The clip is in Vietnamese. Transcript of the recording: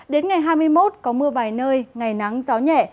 đến ngày hai mươi một có mưa vài nơi ngày nắng gió nhẹ